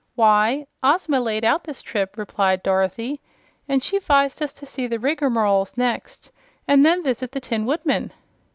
"Why, Ozma laid out this trip," replied Dorothy, "and she 'vised us to see the Rigmaroles next, and then visit the Tin Woodman."